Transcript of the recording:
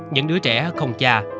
những đứa trẻ không cha